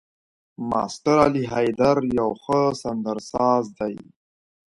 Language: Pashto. ماسټر علي حيدر يو ښه سندرساز دی.